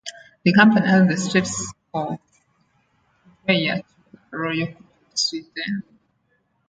The company has the status of a Purveyor to the Royal Court of Sweden.